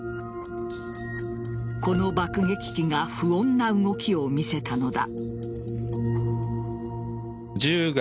この爆撃機が不穏な動きを見せたのだ。